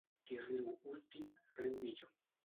Qui riu últim, riu millor.